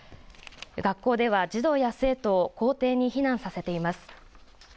学校では児童や生徒を校庭に避難させています。